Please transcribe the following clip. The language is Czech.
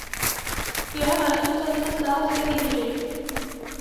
Jeho nástupcem se stal syn Jindřich.